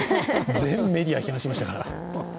全メディア、批判しましたから。